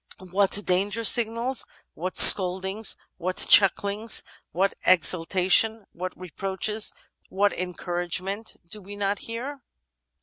What danger signals, what scoldings, what chucklings, what exultation, what reproaches, what encouragement do we not hear?